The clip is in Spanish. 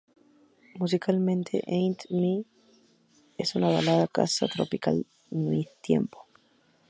Musicalmente, "It Ain't Me" es una balada casa tropical midtempo.